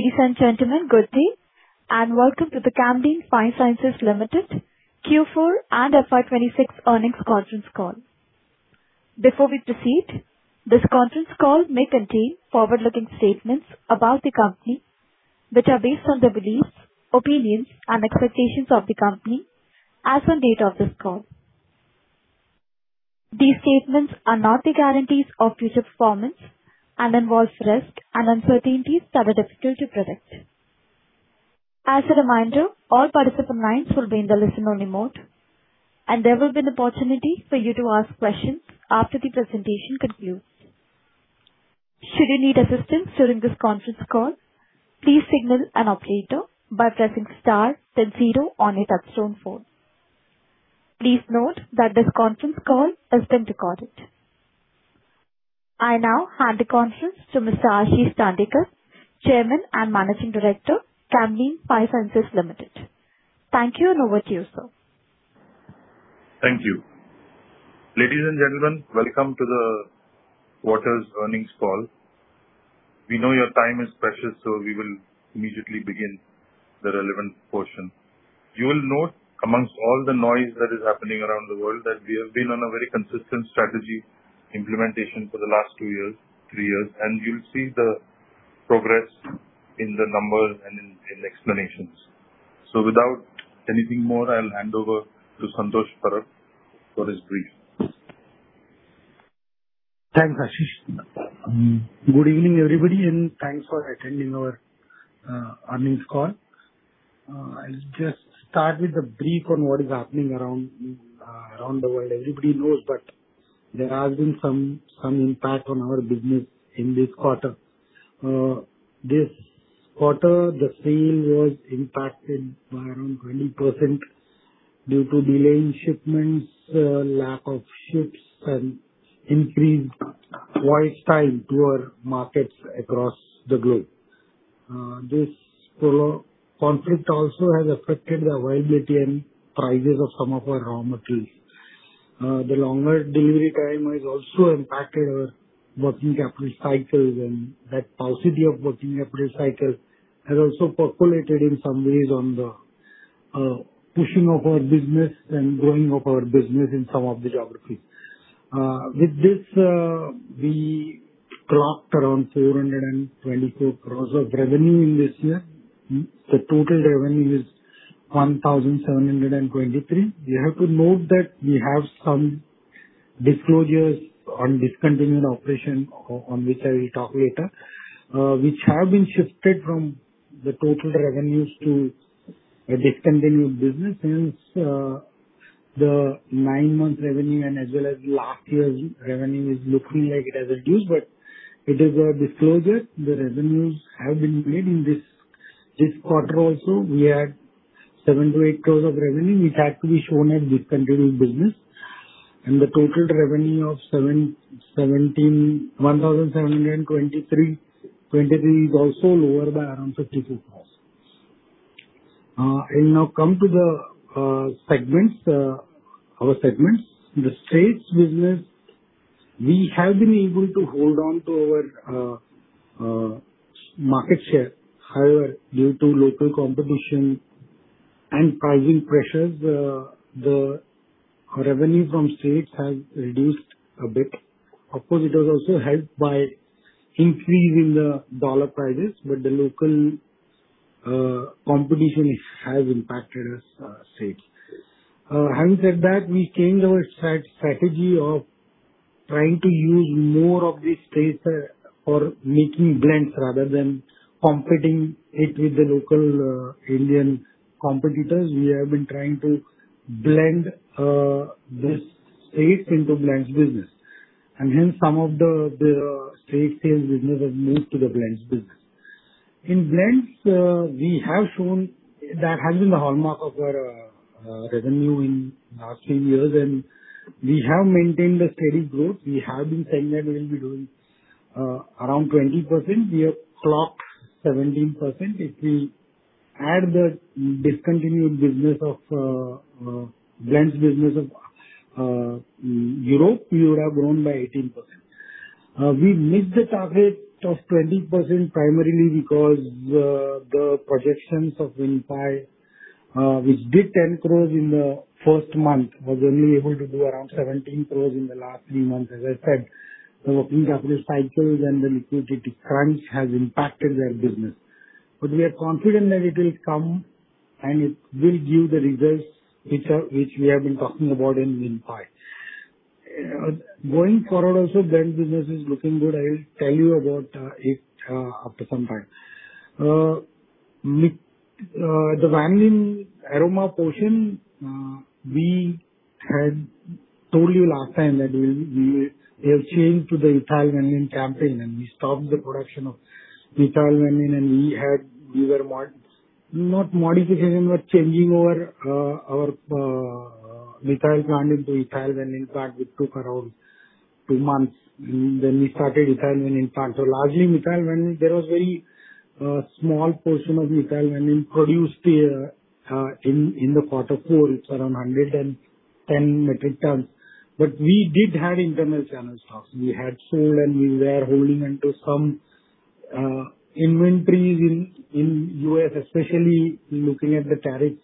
Ladies and gentlemen, good day, and welcome to the Camlin Fine Sciences Limited Q4 and FY 2026 earnings conference call. Before we proceed, this conference call may contain forward-looking statements about the company that are based on the beliefs, opinions, and expectations of the company as on date of this call. These statements are not guarantees of future performance and involve risks and uncertainties that are difficult to predict. As a reminder, all participant lines will be in the listen-only mode, and there will be an opportunity for you to ask questions after the presentation concludes. Should you need assistance during this conference call, please signal an operator by pressing star then zero on your touchtone phone. Please note that this conference call is being recorded. I now hand the conference to Mr. Ashish Dandekar, Chairman and Managing Director, Camlin Fine Sciences Limited. Thank you, and over to you, sir. Thank you. Ladies and gentlemen, welcome to the quarter's earnings call. We know your time is precious, so we will immediately begin the relevant portion. You will note among all the noise that is happening around the world, that we have been on a very consistent strategy implementation for the last two years, three years, and you'll see the progress in the numbers and in the explanations. Without anything more, I'll hand over to Santosh Parab for his brief. Thanks, Ashish. Good evening, everybody, and thanks for attending our earnings call. I'll just start with a brief on what is happening around the world. Everybody knows that there has been some impact on our business in this quarter. This quarter, the sale was impacted by around 20% due to delay in shipments, lack of ships, and increased voyage time to our markets across the globe. This conflict also has affected the availability and prices of some of our raw materials. The longer delivery time has also impacted our working capital cycles, and that paucity of working capital cycles has also percolated in some ways on the pushing of our business and growing of our business in some of the geographies. With this, we clocked around 424 crore of revenue in this. The total revenue is 1,723 crore. You have to note that we have some disclosures on discontinued operation, on which I will talk later, which have been shifted from the total revenues to a discontinued business. Hence, the nine-month revenue and as well as last year's revenue is looking like it has reduced, but it is a disclosure. The revenues have been made in this quarter also. We had 7 crore-8 crore of revenue, which had to be shown as discontinued business. The total revenue of 1,723 crore is also lower by around 52 crore. I'll now come to our segments. In the U.S. business, we have been able to hold on to our market share. However, due to local competition and pricing pressures, the revenue from U.S. has reduced a bit. Of course, it was also helped by increase in the USD prices, but the local competition has impacted our U.S. Having said that, we changed our strategy of trying to use more of the HQ for making blends rather than competing it with the local Indian competitors. We have been trying to blend this HQ into the blends business. Hence, some of the HQ sales business have moved to the blends business. In blends, that has been the hallmark of our revenue in the last few years, we have maintained the steady growth. We had been saying that we'll be doing around 20%. We have clocked 17%. If we add the discontinued blends business of CFS Europe S.p.A., we would have grown by 18%. We missed the target of 20% primarily because the projections of Vinpai, which did 10 crore in the first month, was only able to do around 17 crore in the last three months. As I said, the working capital cycles and the liquidity crunch has impacted their business. We are confident that it will come, and it will give the results which we have been talking about in Vinpai. Going forward also, blends business is looking good. I'll tell you about it after some time. The vanillin aroma portion, we had told you last time that we have changed to the ethyl vanillin campaign, we stopped the production of methyl vanillin, we were not modifying, but changing our methyl plant into ethyl vanillin plant, which took around two months. We started ethyl vanillin plant. Largely, methyl vanillin, there was a very small portion of methyl vanillin produced in the quarter. It's around 110 metric tons. We did have internal channel stock. We had sold and we were holding onto some inventories, especially looking at the tariff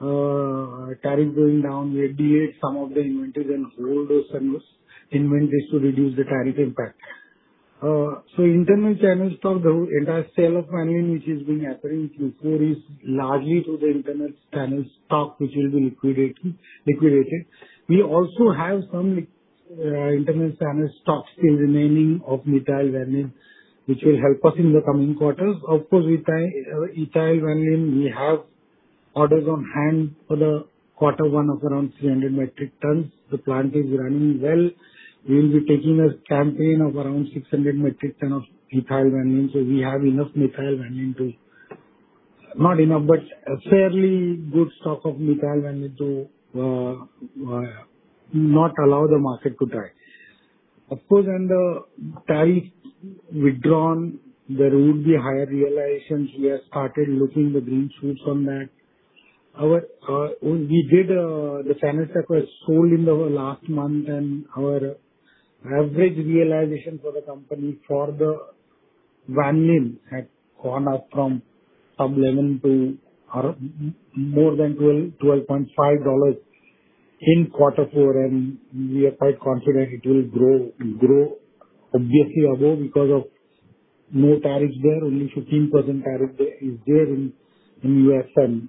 going down, we deviate some of the inventories and hold those inventories to reduce the tariff impact. Internal channels stock, the entire sale of vanillin, which has been happening Q4, is largely to the internal channels stock, which will be liquidated. We also have some internal channels stock still remaining of methyl vanillin, which will help us in the coming quarters. Of course, ethyl vanillin, we have orders on hand for the quarter one of around 300 metric tons. The plant is running well. We'll be taking a campaign of around 600 metric ton of methyl vanillin. We have enough methyl vanillin. Not enough, but a fairly good stock of methyl vanillin to not allow the market to dry. Of course, when the tariff withdrawn, there will be higher realizations. We have started looking the green shoots on that. The channel stock was sold in the last month, and our average realization for the company for the vanillin had gone up from $11 to more than $12.5 in quarter four, and we are quite confident it will grow obviously above because of no tariffs there. Only 15% tariff is there in U.S. and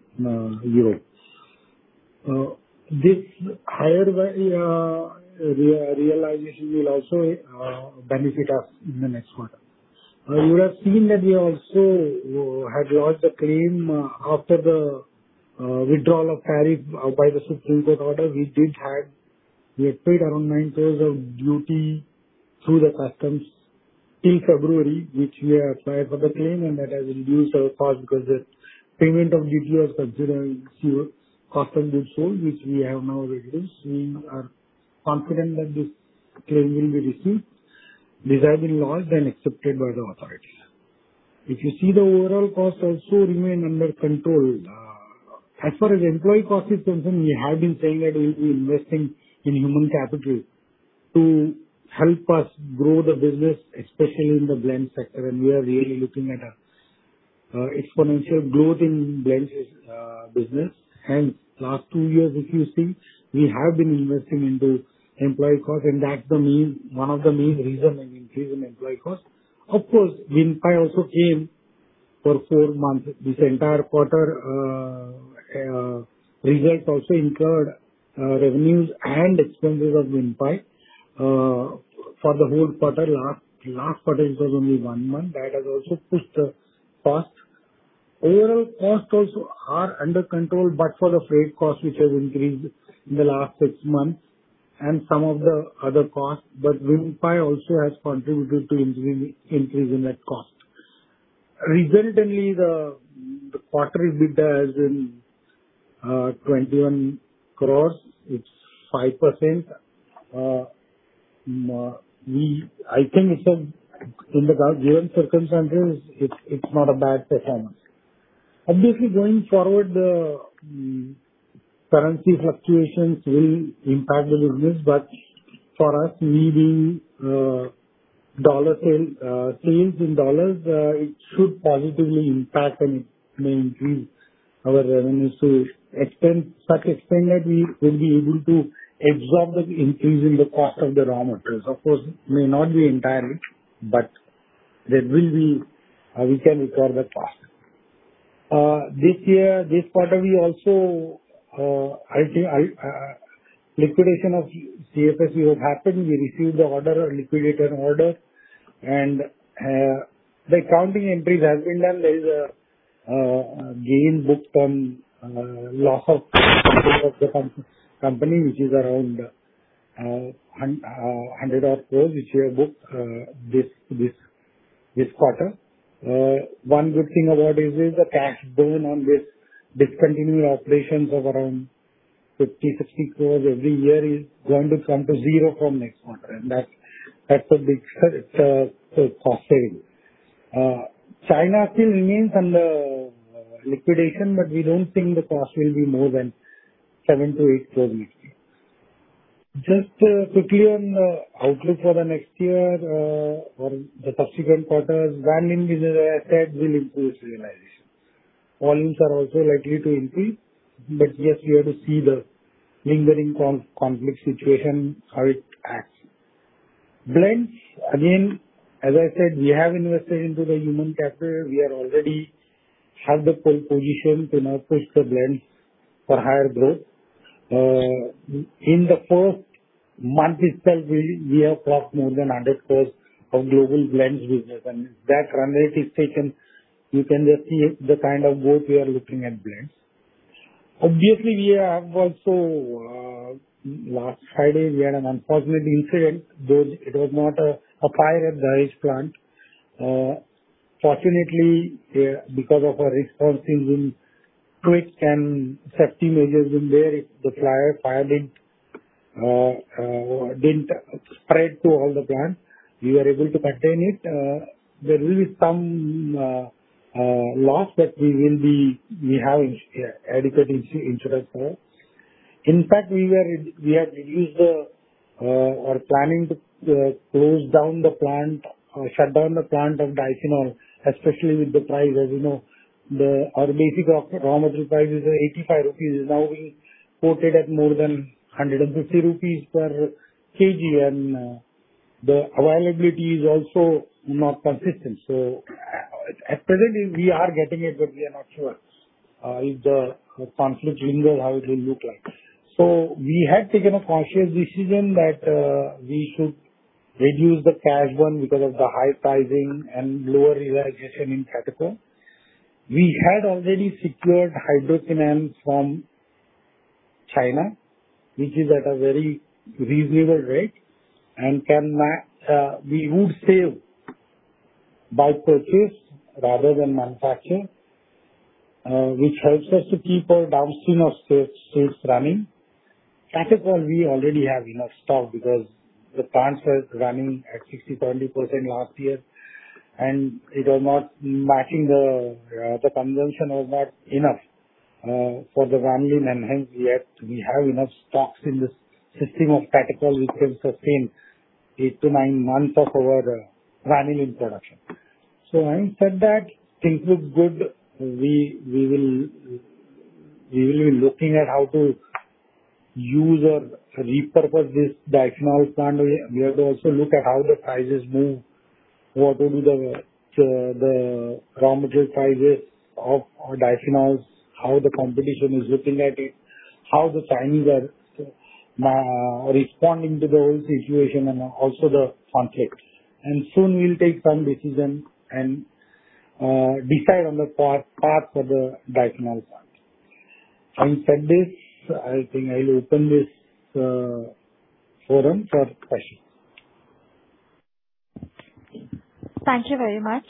Europe. This higher realization will also benefit us in the next quarter. You have seen that we also had lodged a claim after the withdrawal of tariff by the Supreme Court order. We have paid around $9,000 of duty through the customs till February, which we have applied for the claim, and that has reduced our cost because the payment of duty was subject to customs goods sold, which we have now released. We are confident that this claim will be received, this having been lodged and accepted by the authority. If you see the overall cost also remain under control. As far as employee cost is concerned, we have been saying that we'll be investing in human capital to help us grow the business, especially in the blend sector. We are really looking at an exponential growth in blends business. Last two years, if you see, we have been investing into employee cost, and that's one of the main reason an increase in employee cost. Of course, Vinpai also came for four months. This entire quarter, results also incurred revenues and expenses of Vinpai for the whole quarter. Last quarter it was only one month. That has also pushed the cost. Overall costs also are under control, but for the freight cost, which has increased in the last six months and some of the other costs. Vinpai also has contributed to increase in that cost. Resultantly, the quarterly EBITDA is in INR 21 crore. It's 5%. I think in the current circumstances, it's not a bad performance. Obviously, going forward, the currency fluctuations will impact the business, but for us, we being sales in dollars, it should positively impact and may increase our revenue. To such extent that we will be able to absorb the increase in the cost of the raw materials. Of course, it may not be entirely, but we can absorb that cost. This quarter, liquidation of CFSE has happened. We received the order of liquidator order, and the accounting entry has been done. There is a gain booked on loss of the company, which is around 100 crore, which we have booked this quarter. One good thing about it is the cash burn on this discontinued operations of around 50 crore-60 crore every year is going to come to zero from next quarter. That's a big cost saving. CFS Europe S.p.A. still remains under liquidation, but we don't think the cost will be more than 7 crore-8 crore, we think. Just to clear the outlook for the next year or the subsequent quarter, vanillin as an asset will improve realization. Volumes are also likely to increase, but just we have to see the lingering conflict situation, how it acts. Blends, again, as I said, we have invested into the human capital. We already have the pole positions in our portfolio blends for higher growth. In the first month itself, we have crossed more than 100 crore of global blends business. If that run rate is taken, you can just see the kind of growth we are looking at blends. Obviously, we have also, last Friday, we had an unfortunate incident. It was not a fire at the Dahej SEZ-II plant. Fortunately, because of our response is in quick and safety measures in there, the fire didn't spread to all the plants. We were able to contain it. There will be some loss that we have adequate insurance for. In fact, we are planning to close down the plant, shut down the plant of diphenol, especially with the prices. As you know, our basic raw material price is 85 rupees. Now, we quoted at more than 150 rupees/kg. The availability is also not consistent. At present, we are getting it, but we are not sure if the conflict lingers, how it will be taken. We had taken a conscious decision that we should reduce the cash burn because of the high pricing and lower utilization in catechol. We had already secured hydroquinone from China, which is at a very reasonable rate, and we would save by purchase rather than manufacturing, which helps us to keep our downstream of HQ running. Catechol, we already have enough stock because the plants were running at 60%, 24/7 last year, and the consumption was not enough for the vanillin and we have enough stocks in the system of catechol which will sustain eight to nine months of our running in production. Having said that, things look good. We will be looking at how to use or repurpose this diphenol plant. We have to also look at how the prices move, what will be the raw material prices of our diphenols, how the competition is looking at it, how the markets are responding to the whole situation and also the conflict. Soon we'll take some decision and decide on the path for the diphenol plant. Having said this, I think I'll open this forum for questions. Thank you very much.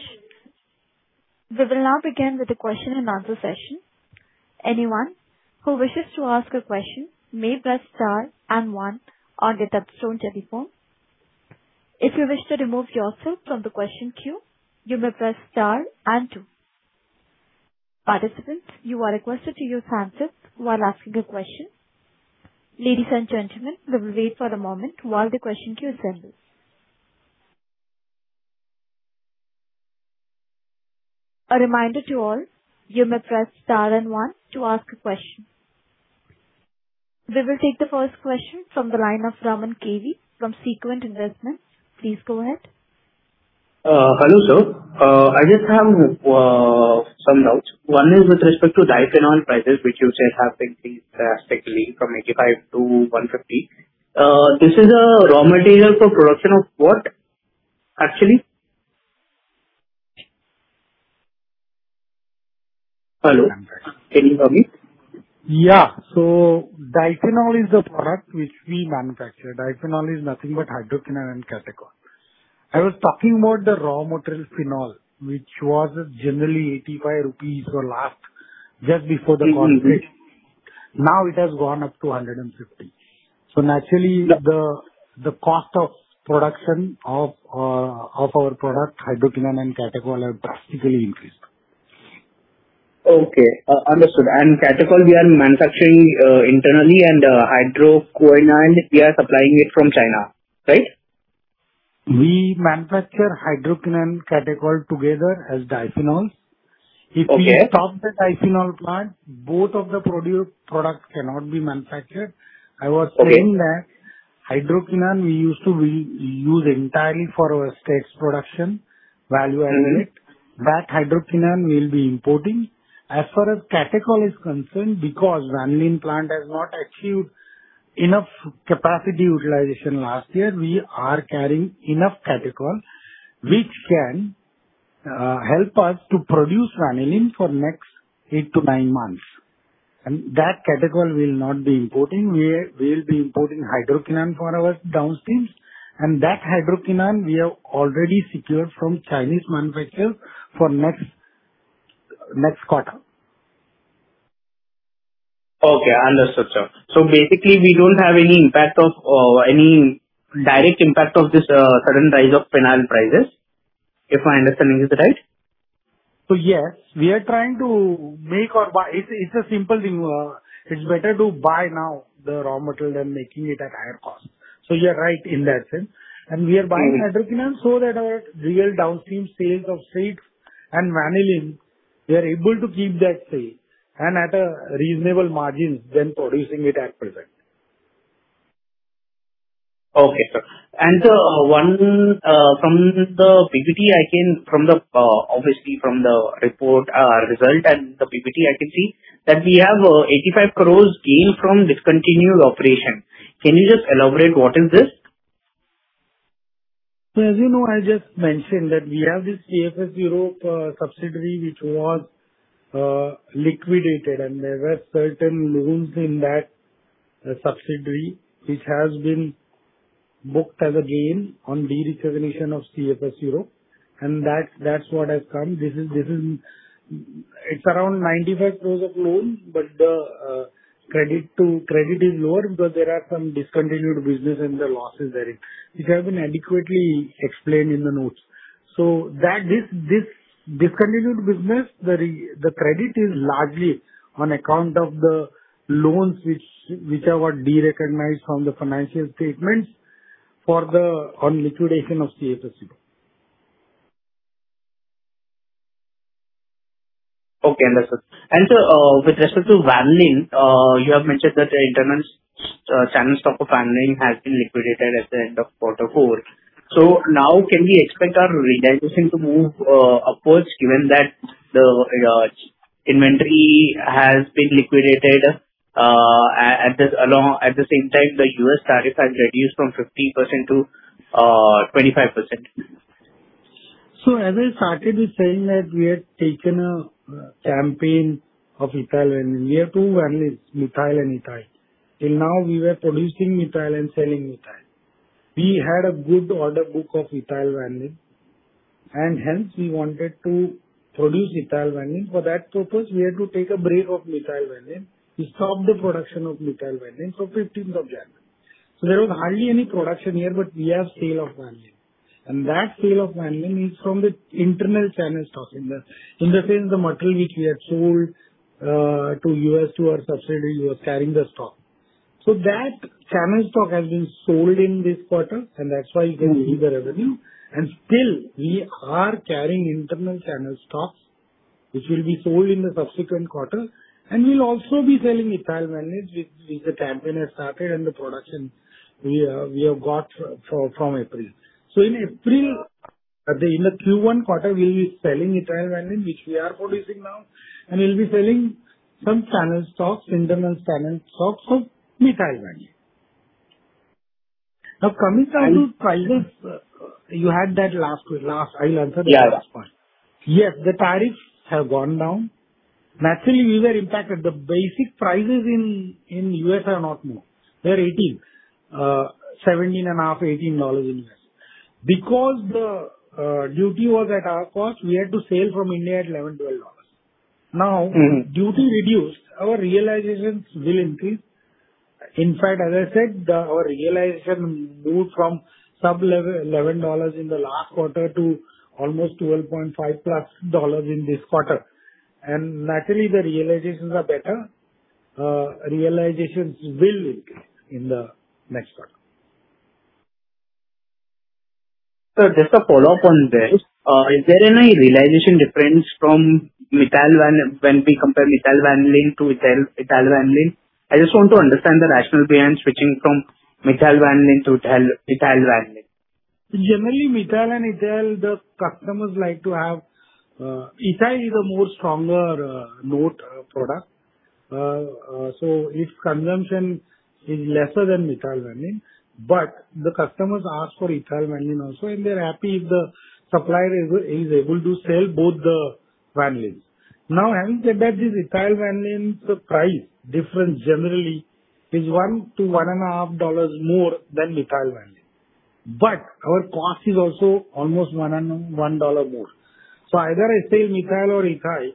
We will now begin with the question and answer session. Anyone who wishes to ask a question may press star and one on their telephone. If you wish to remove yourself from the question queue, you may press star and two. Participants, you are requested to use handset while asking a question. Ladies and gentlemen, we will wait for a moment while the question queue assembles. A reminder to all, you may press star and one to ask a question. We will take the first question from the line of Raman KV from Sequent Investments. Please go ahead. Hello, sir. I just have some doubts. One is with respect to diphenol prices, which you said have increased drastically from 85-150. This is a raw material for production of what actually? Hello, can you hear me? Diphenol is a product which we manufacture. Diphenol is nothing but hydroquinone and catechol. I was talking about the raw material phenol, which was generally 85 rupees last, just before the conflict. Now it has gone up to 150. Naturally, the cost of production of our product, hydroquinone and catechol, has drastically increased. Okay, understood. Catechol we are manufacturing internally and hydroquinone we are supplying it from China. Right? We manufacture hydroquinone and catechol together as diphenol. Okay. If we stop the diphenol plant, both of the products cannot be manufactured. I was saying that hydroquinone we used to use entirely for our HQ production, vanillin unit. That hydroquinone we'll be importing. As far as catechol is concerned, because vanillin plant has not achieved enough capacity utilization last year, we are carrying enough catechol, which can help us to produce vanillin for next eight to nine months. That catechol we will not be importing. We will be importing hydroquinone for our downstreams, and that hydroquinone we have already secured from Chinese manufacturers for next quarter. Okay, understood, sir. Basically, we don't have any direct impact of this sudden rise of phenol prices, if my understanding is right. Yes, we are trying to make or buy. It's a simple thing. It's better to buy now the raw material than making it at higher cost. You're right in that sense. We are buying hydroquinone so that our real downstream sales of antioxidants and vanillin, we are able to keep that sale and at a reasonable margin than producing it at present. Okay, sir. Sir, from the report result and the PPT, I can see that we have 85 crore gain from discontinued operation. Can you just elaborate what is this? As you know, I just mentioned that we have this CFS Europe subsidiary which was liquidated and there were certain loans in that subsidiary which has been booked as a gain on de-recognition of CFS Europe S.p.A., and that's what has come. It's around 95% loans, but the credit is lower because there are some discontinued business and the losses are in. It has been adequately explained in the notes. This discontinued business, the credit is largely on account of the loans which were de-recognized on the financial statements on liquidation of CFS Europe S.p.A. Okay. Understood. Sir, with respect to vanillin, you have mentioned that the internal channel stock of vanillin has been liquidated at the end of quarter four. Now can we expect our realization to move upwards given that the inventory has been liquidated at the same time the U.S. tariff has reduced from 50%-25%? As I started with saying that we had taken a campaign of ethyl vanillin. We have two vanillins, methyl and ethyl. Till now we were producing methyl and selling methyl. We had a good order book of ethyl vanillin, and hence we wanted to produce ethyl vanillin. For that purpose, we had to take a break of methyl vanillin. We stopped the production of methyl vanillin from January 15th. There was hardly any production here, but we have sale of vanillin. That sale of vanillin is from the internal channel stock. In the sense, the material which we have sold to U.S. subsidiaries carrying the stock. That channel stock has been sold in this quarter, and that's why you can see the revenue. Still, we are carrying internal channel stock, which will be sold in the subsequent quarter. We'll also be selling ethyl vanillin with the campaign we started and the production we have got from April. In April, in the Q1 quarter, we'll be selling ethyl vanillin, which we are producing now, and we'll be selling some channel stocks, internal channel stocks of methyl vanillin. Prices. You had that last. I answered the last one. Yeah. Yes. The tariffs have gone down. Naturally, we were impacted. The basic prices in U.S. are not more. They're $18, $17.50, or $18 in the U.S. The duty was at our cost, we had to sell from India at $11-$12. duty reduced, our realizations will increase. In fact, as I said, our realization moved from sub $11 in the last quarter to almost $12.5+ in this quarter. Naturally, the realizations are better. Realizations will increase in the next quarter. Sir, just a follow-up on this. Is there any realization difference from when we compare methyl vanillin to ethyl vanillin? I just want to understand the rationale behind switching from methyl vanillin to ethyl vanillin. Generally, methyl vanillin and ethyl vanillin, the customers like to have ethyl vanillin is a more stronger note product. Its consumption is lesser than methyl vanillin, but the customers ask for ethyl vanillin also, and they're happy if the supplier is able to sell both the vanillins. Having said that, this ethyl vanillin price difference generally is $1-$1.5 more than methyl vanillin. Our cost is also almost $1 more. Either I sell methyl vanillin or ethyl vanillin,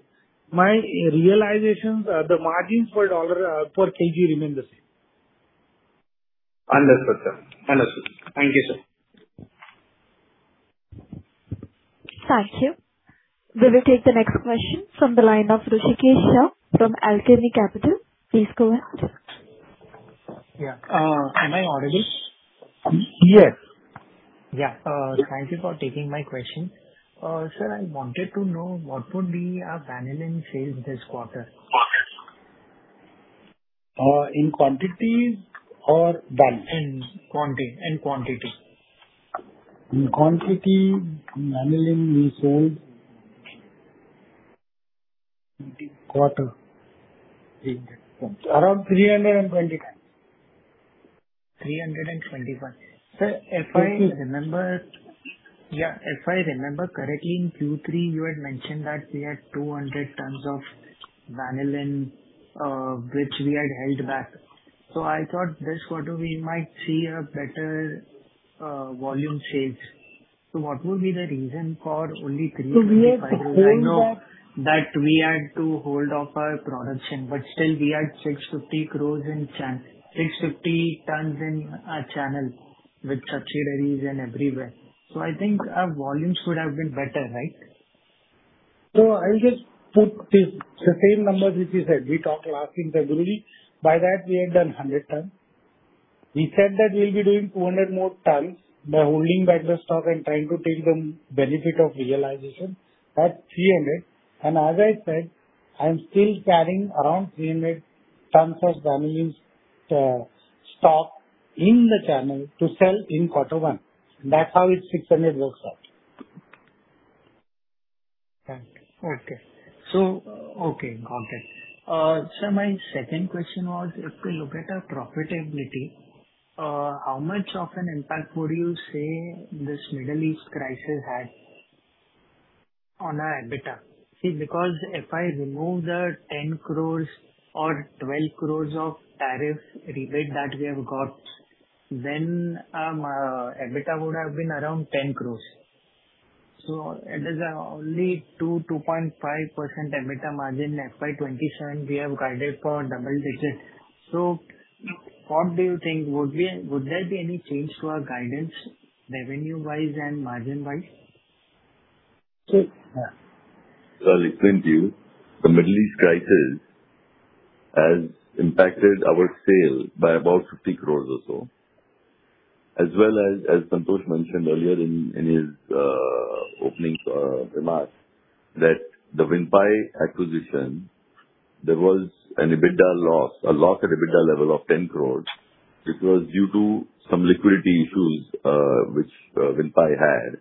my realizations, the margins per kilogram remain the same. Understood, sir. Understood. Thank you, sir. Thank you. We'll take the next question from the line of Hrushikesh from Alchemy Capital. Please go ahead. Yeah. Am I audible? Yes. Yeah. Thank you for taking my question. Sir, I wanted to know what would be our vanillin sales this quarter? In quantity or value? In quantity. In quantity, vanillin we sold. This quarter. Around 325. 325. Sir? Yes. If I remember correctly, in Q3, you had mentioned that we had 200 tons of vanillin, which we had held back. I thought this quarter we might see a better volume change. What would be the reason for only 325 tons? So we have hold of. I know that we had to hold off our production, but still we had 650 tons in our channel with subsidiaries and everywhere. I think our volumes would have been better, right? I'll just put the same number this we said. We talked last in February that we had done 100 tons. We said that we'll be doing 200 more tons by holding back the stock and trying to take the benefit of realization at 300 tons. As I said, I'm still carrying around 300 tons of vanillin stock in the channel to sell in quarter one. That's how this 600 tons works out. Thank you. Okay. So, okay. Got it. Sir, my second question was, if you look at our profitability, how much of an impact would you say this Middle East crisis had on our EBITDA. See, because if I remove the 10 crore or 12 crore of tariff rebate that we have got, then our EBITDA would have been around 10 crore. It is only 2%-2.5% EBITDA margin. FY 2027 we have guided for double digits. What do you think? Would there be any change to our guidance revenue-wise and margin-wise? Sir, listen to you. The Middle East crisis has impacted our sale by about 50 crore or so. Santosh mentioned earlier in his opening remarks that the Vinpai acquisition, there was an EBITDA loss, a loss at EBITDA level of 10 crore. It was due to some liquidity issues which Vinpai had,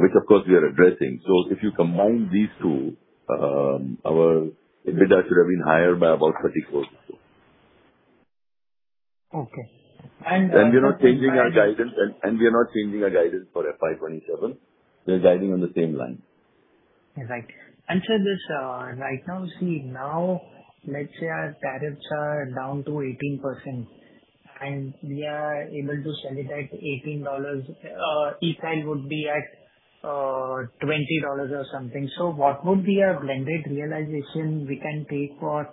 which of course, we are addressing. If you combine these two, our EBITDA should have been higher by about 30 crore or so. Okay. We are not changing our guidance for FY 2027. We are guiding on the same line. Right. Sir, right now, see, now let's say our tariffs are down to 18% and we are able to sell it at $18, FOB would be at $20 or something. What would be our blended realization we can take for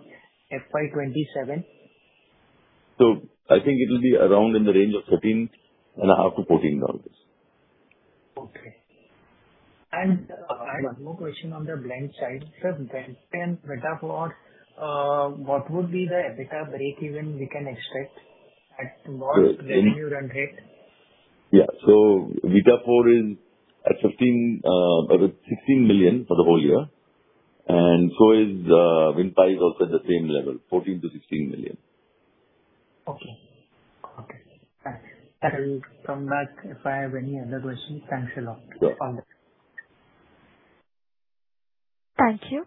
FY 2027? I think it will be around in the range of $13.5-$14. Okay. I have one more question on the blends. Sir, blends and Vitafor, what would be the EBITDA breakeven we can expect at what revenue run rate? Yeah. Vitafor is at $16 million for the whole year, and so is Vinpai also at the same level, $14 million-$16 million. Okay. I will come back if I have any other questions. Thanks a lot. Sure. Thank you.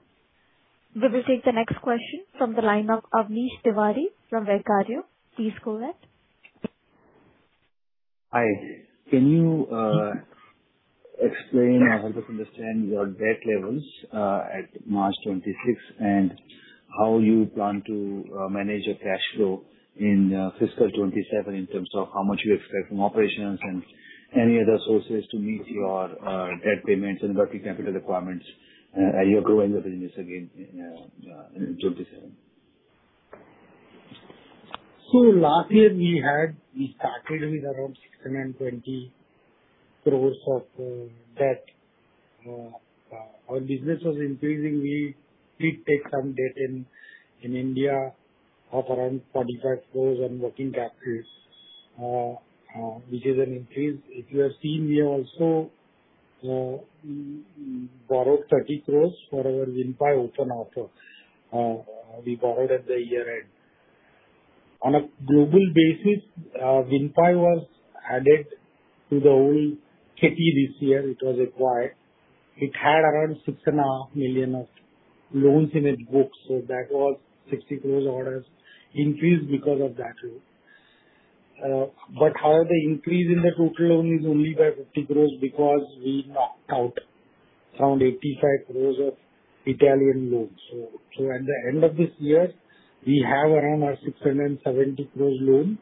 We'll proceed to the next question from the line of Avnish Tiwari from Vaikarya. Please go ahead. Hi. Can you explain or help us understand your debt levels at March 2026 and how you plan to manage the cash flow in FY 2027 in terms of how much you expect from operations and any other sources to meet your debt payments and working capital requirements as you grow the business again in 2027? Last year we started with around 620 crore of debt. Our business was increasing. We did take some debt in India of around 25 crore on working capital, which is an increase. If you have seen, we also borrowed 30 crore for our Vinpai open offer. We borrowed at the year-end. On a global basis, Vinpai was added to the whole conlidated debt as it was acquired. It had around $6.5 million of loans in its books. That was 60 crore also increased because of that too. How the increase in the total loan is only by 50 crore because we knocked out around 85 crore of Italian loans. At the end of this year, we have around 670 crore loan.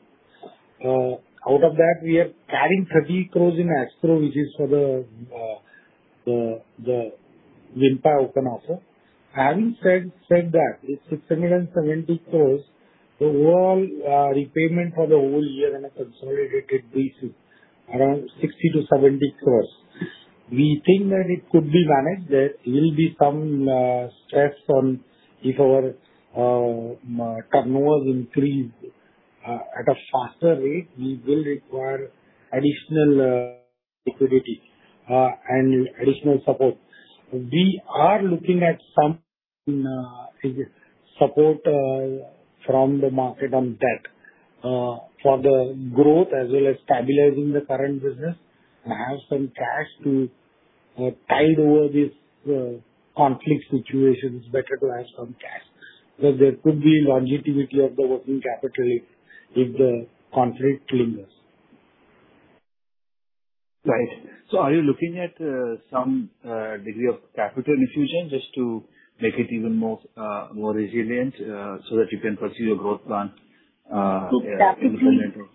Out of that, we are carrying 30 crore in escrow, which is for the Vinpai open offer. Having said that, the 670 crore, the overall repayment for the whole year on a consolidated basis, around 60 crore-70 crore. We think that it could be managed. There will be some stress on if our turnovers increase at a faster rate, we will require additional liquidity and additional support. We are looking at some support from the market on debt for the growth as well as stabilizing the current business and have some cash to tide over this conflict situation. It is better to have some cash because there could be longevity of the working capital if the conflict lingers. Nice. Are you looking at some degree of capital infusion just to make it even more resilient so that you can pursue your growth plan implementation?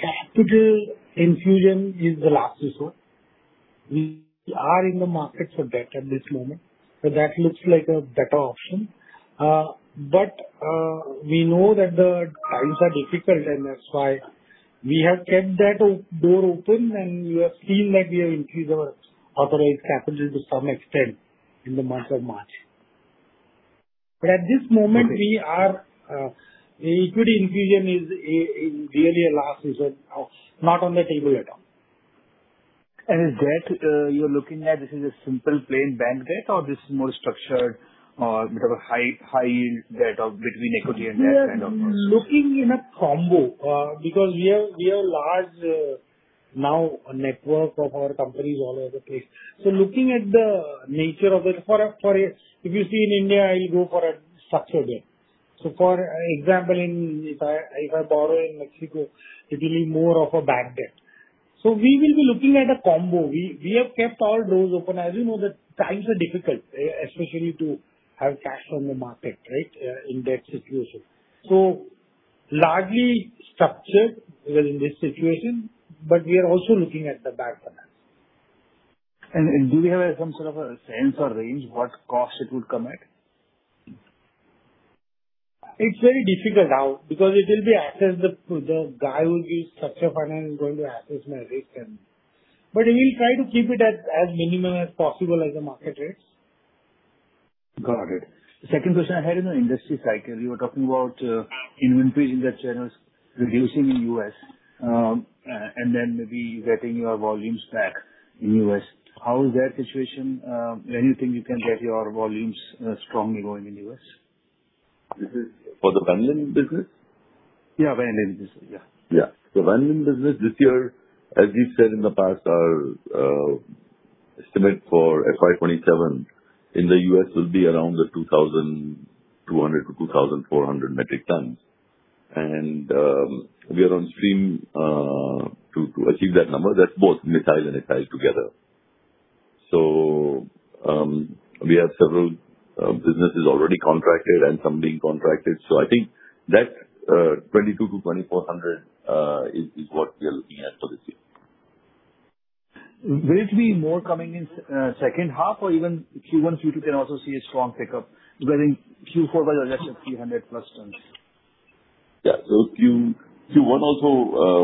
Capital infusion is the last resort. We are in the market for debt at this moment, that looks like a better option. We know that the times are difficult and that's why we have kept that door open and we are seeing that we have increased our authorized capital to some extent in the month of March. At this moment, equity infusion is really a last resort now. It's not on the table at all. Is debt you're looking at is a simple plain bank debt or this more structured type high yield debt of between equity and debt kind of? We are looking in a combo because we have large now network of our companies all over the place. Looking at the nature of it, if you see in India, you go for a structure bank. For example, if I borrow in Mexico, it will be more of a bank debt. We will be looking at a combo. We have kept all doors open. As you know, times are difficult, especially to have cash on the market in that situation. Largely structured in this situation, but we are also looking at the bank finance. Do we have some sort of a sense or range what cost it would come at? It's very difficult now because the guy who gives structured finance is going to assess my risk. We will try to keep it as minimal as possible as the market is. Got it. Second question, I had in the industry cycle, you were talking about inventory in the channels reducing in U.S., and then maybe getting your volumes back in U.S. How is that situation? When you think you can get your volumes strongly going in U.S.? This is for the vanillin business? Yeah, vanillin business. Yeah. The vanillin business this year, as we said in the past, our estimate for FY 2027 in the U.S. will be around 2,200-2,400 metric tons. We are on stream to achieve that number. That's both methyl and ethyl together. We have several businesses already contracted and some being contracted. I think that 2,200-2,400 is what we are looking at for this year. Will it be more coming in second half or even Q1, Q2 can also see a strong pickup getting Q4 of last year 300+ tons? Yeah. Q1 also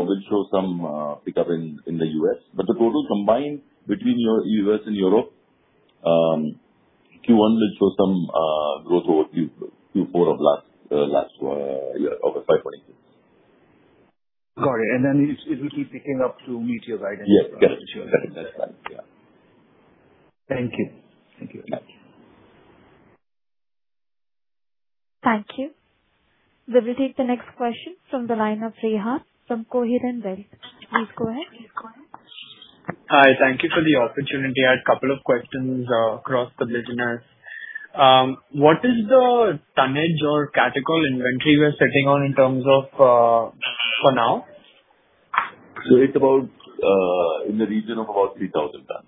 will show some pickup in the U.S., but the total combined between U.S. and Europe, Q1 will show some growth over Q4 of last year, of FY 2026. Got it. Then it will keep picking up to meet your guidance. Yes. That is the plan. Yeah. Thank you. Thank you. Thank you. We will take the next question from the line of Rehan from Coheron Wealth. Rehan, your line is open. Hi. Thank you for the opportunity. I had a couple of questions across for the business. What is the tonnage or catechol inventory you are sitting on in terms of for now? It's about in the region of about 3,000 tons.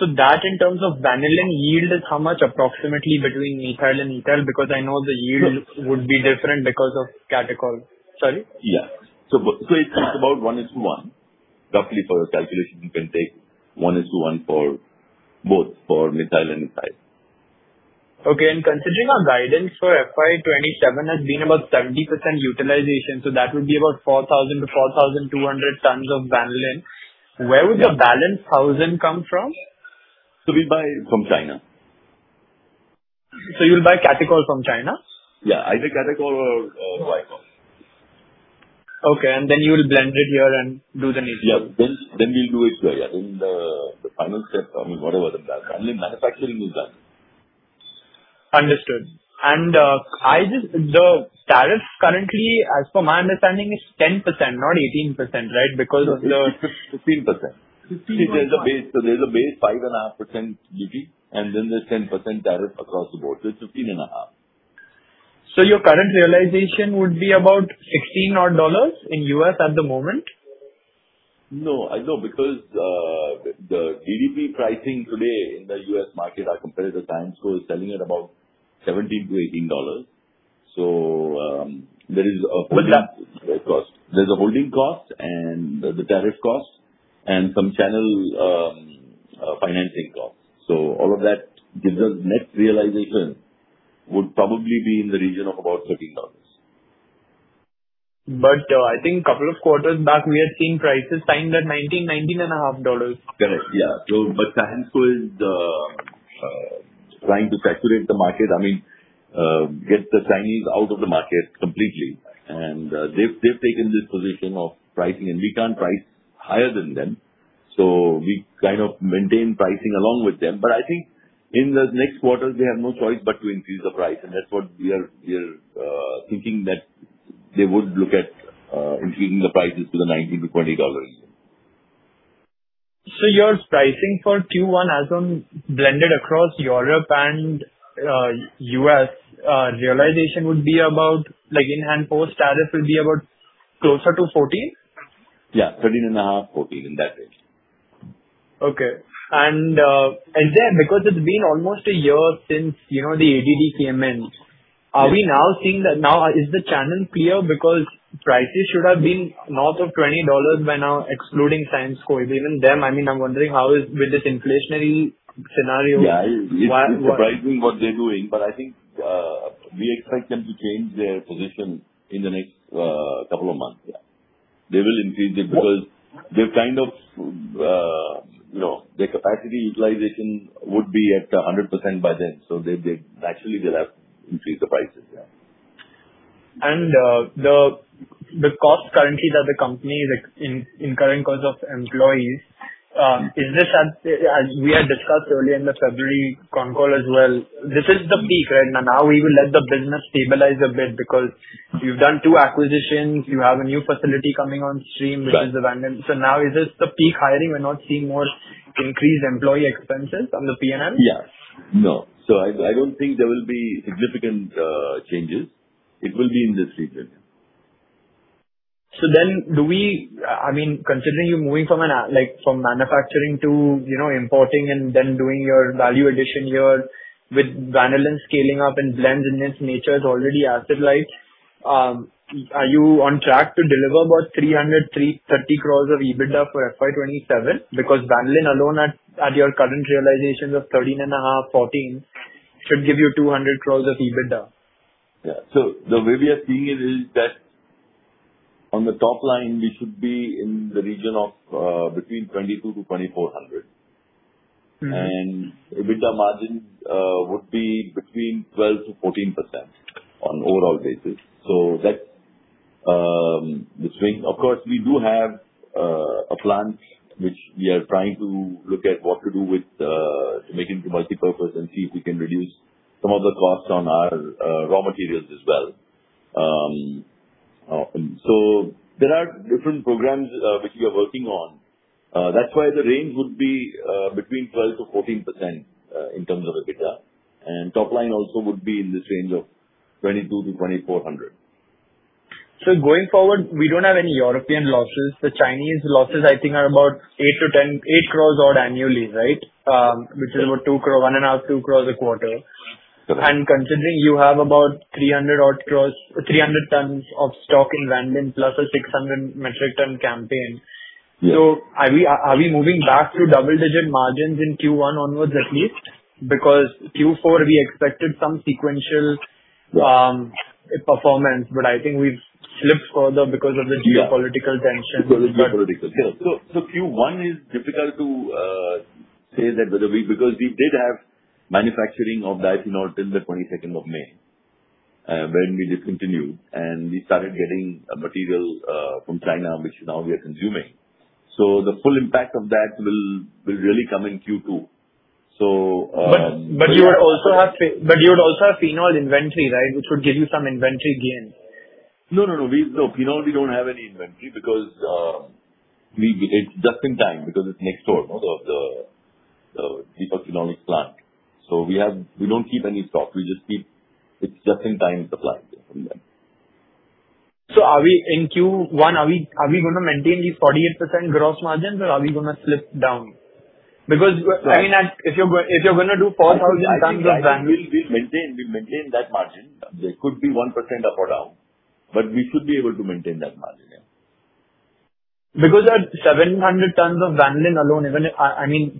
That in terms of vanillin yield is how much approximately between methyl and ethyl because I know the yield would be different because of catechol? Sorry. Yeah. It's about one is to one. Roughly for the calculation, you can take one is to one for both, for methyl and ethyl. Okay. Considering our guidance for FY 2027 has been about 70% utilization, so that would be about 4,000-4,200 tons of vanillin. Where would the balance 1,000 come from? We buy from China. You will buy catechol from China? Yeah, either catechol or vanillin. Okay. Then you will blend it here and do the necessary. Yeah. We do it here in the final step, I mean, whatever the manufacturing is done. Understood. The tariffs currently, as per my understanding, is 10%, not 18%, right? 15%. 15%. There's a base 5.5% duty, and then there's 10% tariff across the board, 15.5%. Your current realization would be about $16 odd in U.S. at the moment? The DDP pricing today in the U.S. market are compared to Solvay selling at about $17-$18. There is a holding cost. There's a holding cost, and the tariff cost, and some channel financing cost. All of that gives us net realization would probably be in the region of about $13. I think a couple of quarters back, we are seeing prices signed at $19-$19.5. Correct. Yeah. Sino is trying to insulate the market, I mean, get the Chinese out of the market completely. They've taken this position of pricing, and we can't price higher than them. We kind of maintain pricing along with them. I think in the next quarter, they have no choice but to increase the price, and that's what we are thinking that they would look at increasing the prices to the $19-$20 range. Your pricing for Q1 as on blended across Europe and U.S. realization would be about, like in and post tariff will be about closer to $14? Yeah, $13.5-$14, in that range. Okay. Yeah, because it's been almost a year since the ADD came in. Are we now seeing that now is the channel clear? Because prices should have been north of $20 by now, excluding Sino, even them, I mean, I'm wondering how is with this inflationary scenario. Yeah. It's surprising what they're doing, I think we expect them to change their position in the next couple of months. Yeah. They will increase it because their capacity utilization would be at 100% by then. Naturally they'll have to increase the prices. The cost currently that the company is incurring because of employees, as we had discussed earlier in the February concall as well, this is the peak, right? Now we will let the business stabilize a bit because you've done two acquisitions, you have a new facility coming on stream because of vanillin. Now is this the peak hiring? We're not seeing more increased employee expenses on the P&L? Yeah. No. I don't think there will be significant changes. It will be in this region. Considering you're moving from manufacturing to importing and then doing your value addition here with vanillin scaling up and blends in its nature is already asset light. Are you on track to deliver about 300 crore-330 crore of EBITDA for FY 2027? Because vanillin alone at your current realization of 13.5-14 should give you 200 crore of EBITDA. Yeah. The way we are seeing it is that on the top line, we should be in the region of between 2,200-2,400. EBITDA margins would be between 12%-14% on overall basis. Of course, we do have a plant which we are trying to look at what to do with to make it into multipurpose and see if we can reduce some of the costs on our raw materials as well. There are different programs which we are working on. That's why the range would be between 12%-14% in terms of EBITDA, and top line also would be in this range of 2,200-2,400. Going forward, we don't have any European losses. The Chinese losses I think are about 8 crore odd annually, which is about 1.5 crore-2 crore a quarter. Considering you have about 300 tons of stock in vanillin plus a 600 metric ton campaign. Are we moving back to double-digit margins in Q1 onwards at least? Q4 we expected some sequential performance, but I think we've slipped further because of the geopolitical tension. Because of geopolitical. Q1 is difficult to say that because we did have manufacturing of phenol till the May 22nd when we discontinued, and we started getting material from China which now we are consuming. The full impact of that will really come in Q2. You would also have phenol inventory, which would give you some inventory gains. No, phenol we don't have any inventory because it's just-in-time because it's next door. The phenolics plant. We don't keep any stock. It's just-in-time supply is what we have. In Q1, are we going to maintain this 48% gross margin or are we going to slip down? If you're going to do 4,000 tons of vanillin. We maintain that margin. There could be 1% up or down, but we should be able to maintain that margin, yeah. At 700 tons of vanillin alone,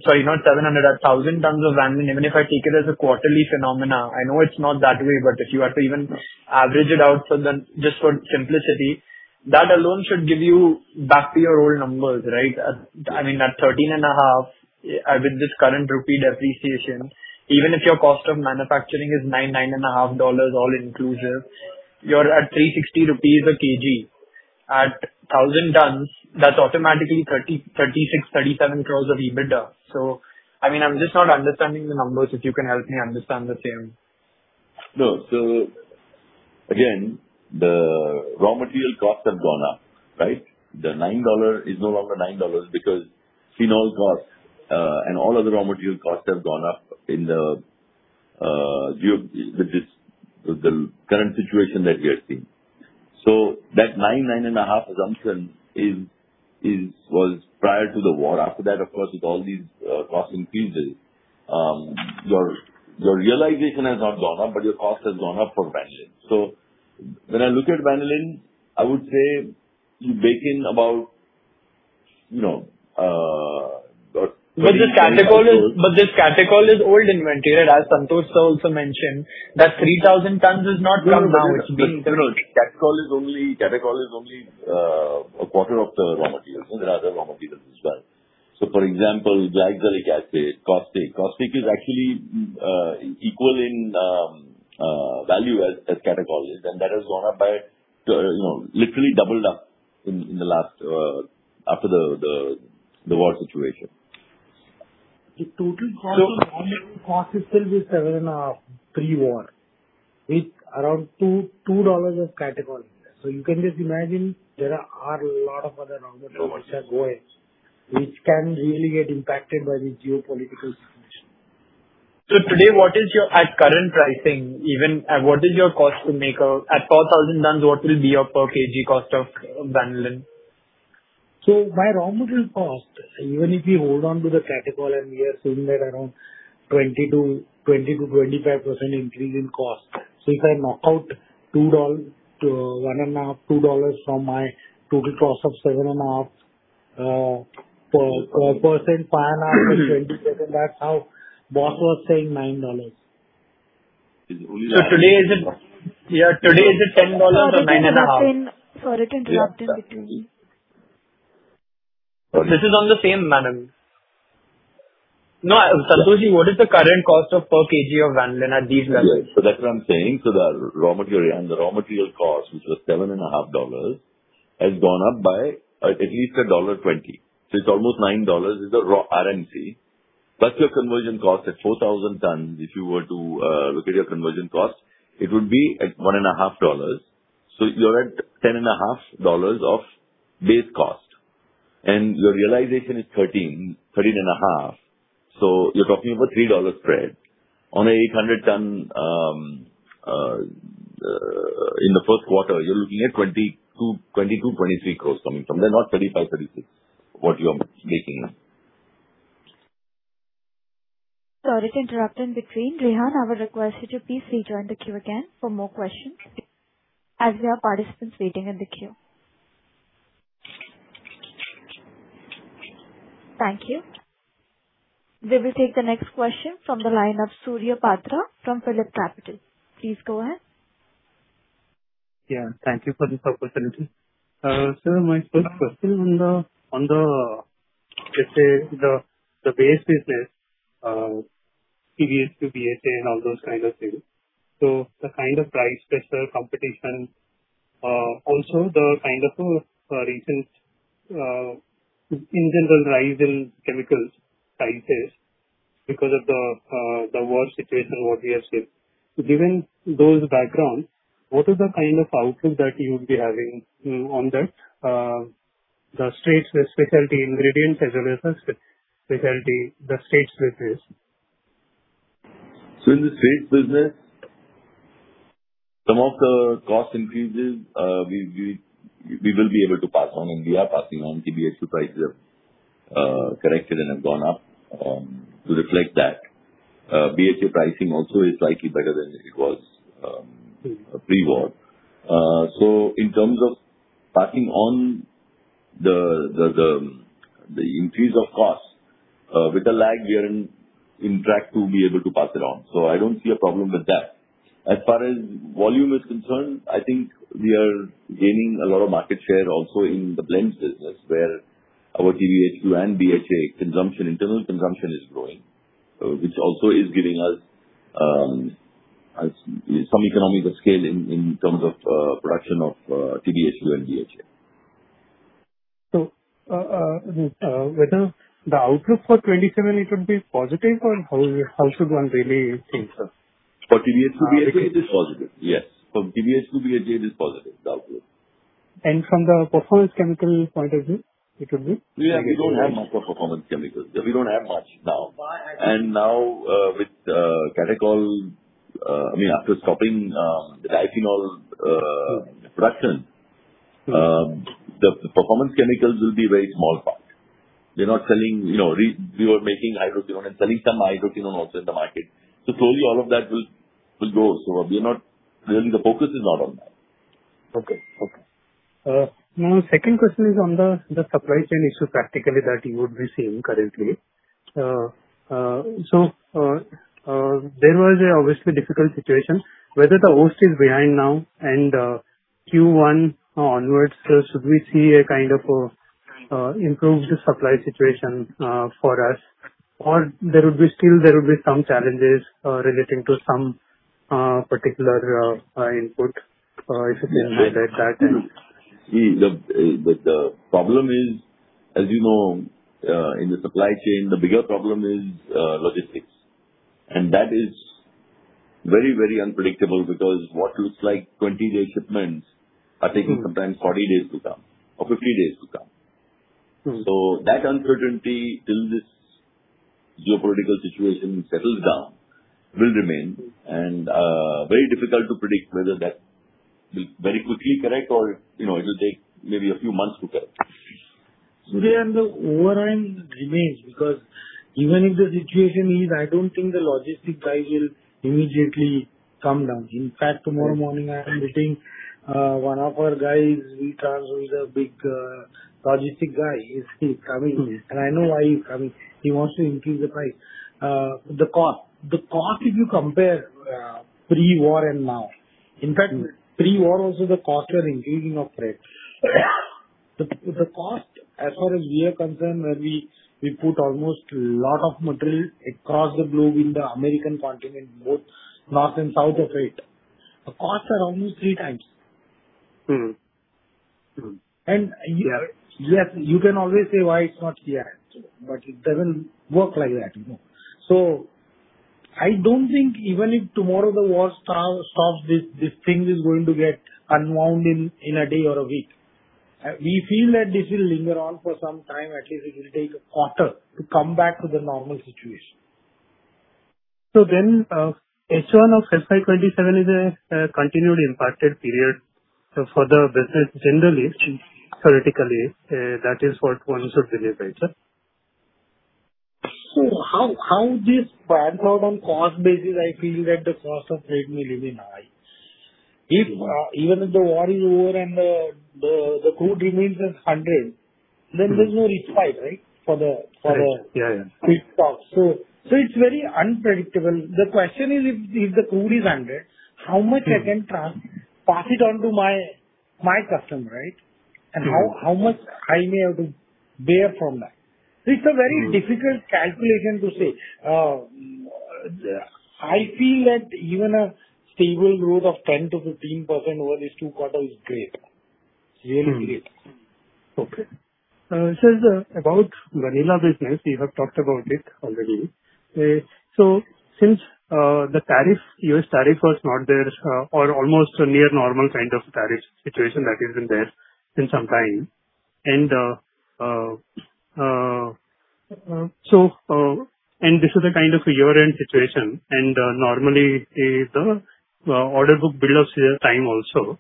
sorry, not 700-1,000 tons of vanillin, even if I take it as a quarterly phenomenon, I know it's not that way, but if you are to even average it out just for simplicity, that alone should give you back to your old numbers. At $13.5, with this current rupee depreciation, even if your cost of manufacturing is $9.5 all inclusive, you're at 360 rupees/kg. At 1,000 tons, that's automatically 36 crore-37 crore of EBITDA. I'm just not understanding the numbers if you can help me understand the same? No. Again, the raw material costs have gone up. The $9 is no longer $9 because phenol and all other raw material costs have gone up in the current situation that we are seeing. That $9-$9.5 assumption was prior to the war. After that, of course, with all these cost increases your realization has not gone up, but your costs have gone up for vanillin. When I look at vanillin, I would say breaking even. This catechol is old inventory as Santosh also mentioned, that 3,000 tons is not new. No, catechol is only a quarter of the raw material. There are other raw materials as well, for example, glyxolic acid, and caustic. Caustic is actually equal in value as catechol is, and that has gone up by literally doubled up after the war situation. The total raw material cost itself is $7.5 pre-war with around $2 of catechol in there. You can just imagine there are a lot of other raw materials which are going, which can really get impacted by the geopolitical situation. Today at current pricing even, at 4,000 tons, what will be your per kilogram cost of vanillin? My raw material cost, even if we hold on to the catechol and we are seeing that around 20%-25% increase in cost since I knock out $1.5-$2 from my total cost of $7.5 per percent, 5.5%-20%, that's how boss was saying $9. Today is it $10 or $9.5? Sorry to interrupt in between. This is on the same vanillin? No, Santosh, what is the current cost of per kilogram of vanillin at these levels? Yeah. That's what I'm saying. The raw material cost which was $7.5 has gone up by at least $1.20. It's almost $9 is the raw RMC. Plus your conversion cost at 4,000 tons if you were to look at your conversion cost, it would be at $1.5. You're at $10.5 of base cost. Your realization is $13-$13.5. You're talking about $3 spread on 800 ton. In the first quarter, you're looking at $22-$23 gross coming from there, not $25-$36, what you are making up. Sorry to interrupt in between. Rehan, I would request you to please return the queue again for more questions as we have participants waiting in the queue. Thank you. We will take the next question from the line of Surya Patra from PhillipCapital. Please go ahead. Yeah, thank you for this opportunity. Sir, my first question on the, let's say the base business, TBHQ, BHA, and all those kind of things. The kind of price pressure, competition, also the kind of recent general rise in chemicals prices because of the war situation, what we have seen. Given those backgrounds, what is the kind of outlook that you would be having on that, the specialties ingredient as versus specialty, the U.S. business? The states business, some of the cost increases, we will be able to pass on, and we are passing on TBHQ prices, corrected and have gone up, to reflect that. BHA pricing also is slightly better than it was pre-war. In terms of passing on the increase of cost, with a lag we are in track to be able to pass it on. I don't see a problem with that. As far as volume is concerned, I think we are gaining a lot of market share also in the blends business, where our TBHQ and BHA internal consumption is growing. This also is giving us some economies of scale in terms of production of TBHQ and BHA. Whether the outlook for 2027 could be positive, or how should one really think, sir? For TBHQ, BHA it is positive. Yes. For TBHQ, BHA it is positive, the outlook. From the Performance Chemicals point of view. We don't have enough of performance chemicals. We don't have much now. Now, with catechol, after stopping the ethanol production, the performance chemicals will be very small part. We were making hydroquinone and selling some hydroquinone also in the market. Slowly all of that will go. Really the focus is not on that. Okay. My second question is on the supply chain issue practically that you would be seeing currently. There was obviously a difficult situation. Whether the worst is behind now and Q1 onwards, sir, should we see a kind of improved supply situation for us? There will be still some challenges relating to some particular input, if you can say that? The problem is, as you know, in the supply chain, the bigger problem is logistics. That is very unpredictable because what looks like 20-day shipment are taking sometimes 40 days to come or 50 days to come. That uncertainty, till this geopolitical situation settles down, will remain, and very difficult to predict whether that will very quickly correct or it will take maybe a few months to correct. Sir, the overhang remains because even if the situation eases, I don't think the logistic price will immediately come down. In fact, tomorrow morning I am meeting one of our guys, Vikas, who is a big logistic guy. He's coming, and I know why he's coming. He wants to increase the price. The cost, if you compare pre-war and now, in fact, pre-war also the costs are increasing upfront. The cost, as far as we are concerned, where we put almost a lot of material across the globe, in the American continent, both north and south of it, the costs are almost three times. You can always say why it's not here, but it doesn't work like that. I don't think even if tomorrow the war stops, this thing is going to get unwound in a day or a week. We feel that this will linger on for some time, at least it will take a quarter to come back to the normal situation. H1 of FY 2027 is a continued impacted period for the business generally, theoretically, that is for performance chemicals, right? How this background on cost basis, I feel that the cost of freight may remain high. If even if the war is over and the crude remains at $100, then there's no respite, right? Yes. For the stock. It's very unpredictable. The question is if the crude is $100, how much I can pass it on to my customer, right? How much I may have to bear from that? It's a very difficult calculation to say. I feel like even a stable growth of 10%-15% over these two quarters is great. Really great. Okay. Sir, about vanillin business, we have talked about it already. Since the U.S. tariff was not there or almost a near normal kind of tariff situation that is in there since some time, and this is a kind of year-end situation, and normally the order book builds with time also.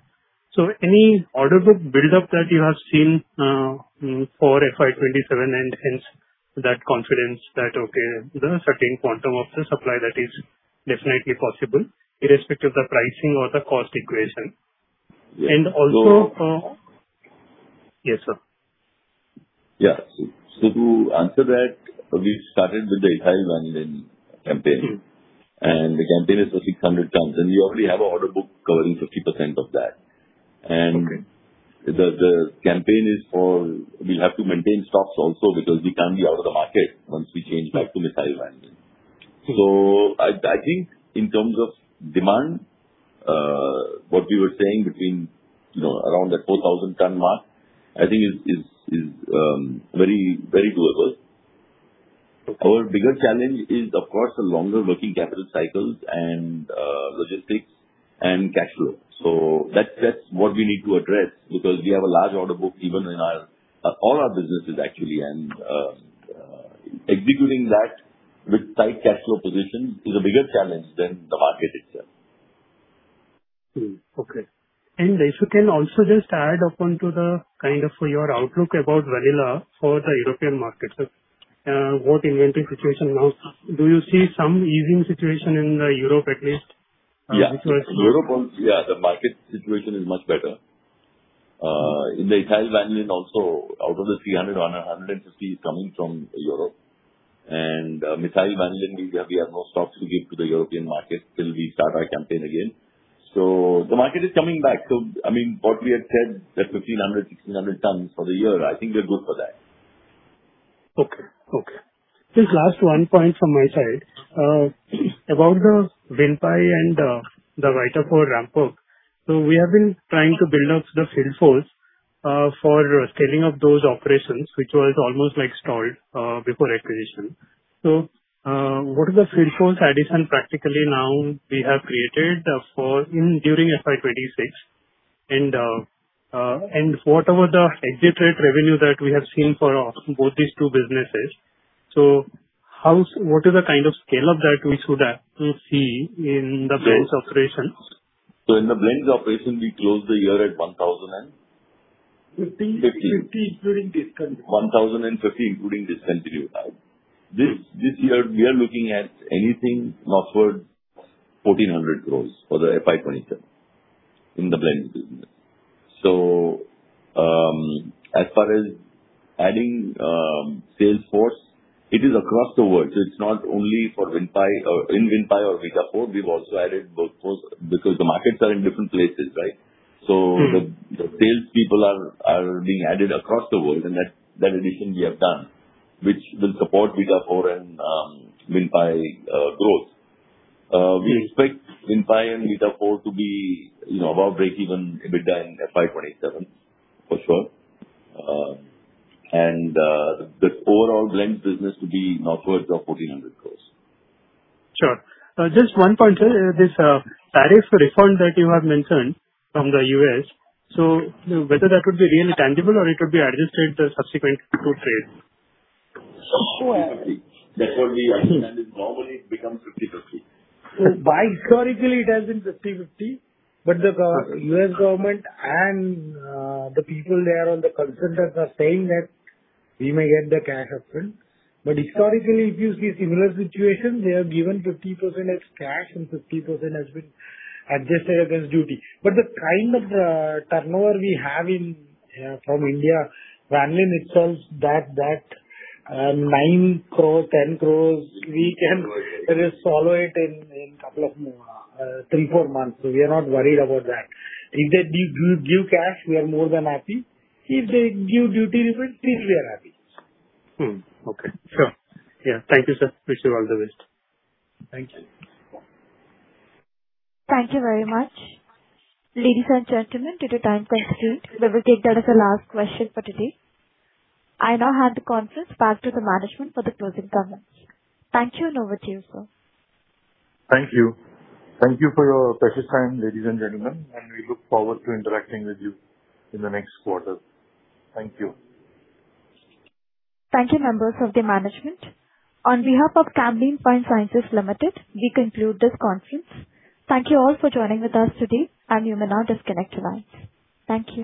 Any order book build-up that you have seen for FY 2027 and hence that confidence that okay, there is a certain quantum of the supply that is definitely possible irrespective of the pricing or the cost equation. Yes, sir. Yeah. To answer that, we started with the methyl vanillin campaign. Sure. The campaign is for 600 tons, and we already have an order book covering 50% of that. Okay. We have to maintain stocks also because we can't be out of the market once we change to methyl vanillin. I think in terms of demand, what we were saying between around the 4,000-ton mark, I think is very doable. Our biggest challenge is of course the longer working capital cycles and logistics and cash flow. That's what we need to address because we have a large order book even in all our businesses actually, and executing that with tight cash flow position is a bigger challenge than the market itself. Okay. If you can also just add upon to your outlook about vanillin for the European markets. What inventory situation now? Do you see some easing situation in Europe at least? Yeah. Europe, the market situation is much better. In the methyl vanillin also, out of the 300, 150 is coming from Europe. Methyl vanillin, we have no stocks to give to the European market till we start our campaign again. The market is coming back to what we had said, the 1,500-1,600 tons for the year. I think we're good for that. Just last one point from my side. About the Vinpai and the Vitafor ramp-up. We have been trying to build up the sales force for scaling up those operations, which was almost like stalled before acquisition. What is the sales force addition practically now we have created during FY 2026? What about the exit rate revenue that we have seen for both these two businesses? What is the kind of scale-up that we should actually see in the blends operations? In the blends operation, we closed the year at 1,000. 50 including this current year. 1,050 including this current year. This year, we are looking at anything northward 1,400 crore for the FY 2027 in the blends business. As far as adding sales force, it is across the world. It's not only in Vinpai or Vitafor. We've also added workforce because the markets are in different places, right? The sales people are being added across the world, and that addition we have done, which will support Vitafor and Vinpai growth. Okay. We expect Vinpai and Vitafor to be above breakeven EBITDA in FY 2027 for sure. The overall blends business to be northward 1,400 crore. Sure. Just one point, sir. This tariff refund that you have mentioned from the U.S., whether that would be really tangible or it could be adjusted in the subsequent import trade? That's what we understand, is normally it becomes 50/50. While historically it has been 50/50, the U.S. government and the people there on the consensus are saying that we may get the cash upfront. Historically, it used to be similar situation. They have given 50% as cash and 50% has been adjusted against duty. The kind of turnover we have in from India, vanillin itself that 9 crore-10 crore, we can swallow it in three, four months. We are not worried about that. If they give cash, we are more than happy. If they give duty, even still we are happy. Okay, sure. Yeah. Thank you, sir. Wish you all the best. Thank you. Thank you very much. Ladies and gentlemen, due to time constraints, we will take that as the last question for today. I now hand the conference back to the management for the closing comments. Thank you and over to you, sir. Thank you. Thank you for your precious time, ladies and gentlemen, and we look forward to interacting with you in the next quarter. Thank you. Thank you, members of the management. On behalf of Camlin Fine Sciences Limited, we conclude this conference. Thank you all for joining with us today, and you may now disconnect your lines. Thank you.